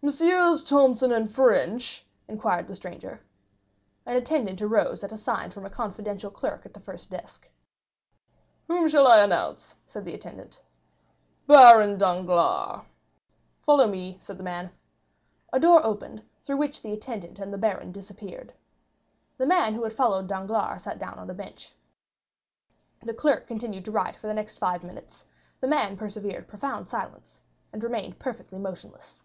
"Messrs. Thomson & French?" inquired the stranger. An attendant arose at a sign from a confidential clerk at the first desk. "Whom shall I announce?" said the attendant. "Baron Danglars." "Follow me," said the man. A door opened, through which the attendant and the baron disappeared. The man who had followed Danglars sat down on a bench. The clerk continued to write for the next five minutes; the man preserved profound silence, and remained perfectly motionless.